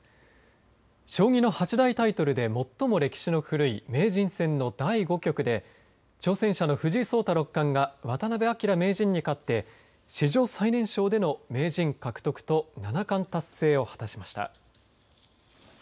将棋の八大タイトルで最も歴史の古い名人戦の第５局で挑戦者の藤井聡太六冠が渡辺明名人に勝って史上最年少での名人獲得と七冠達成を果たしました。